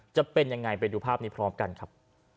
จะเป็นยังไงไปดูภาพนี้พร้อมกันครับ